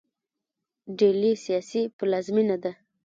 ډیلي سیاسي پلازمینه ده.